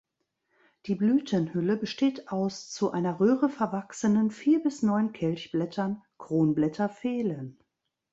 Die Blütenhülle besteht aus zu einer Röhre verwachsenen vier bis neun Kelchblättern, Kronblätter fehlen.